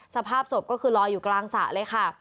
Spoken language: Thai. สภาพศพก็คือลอยอยู่กลางสระเลยค่ะ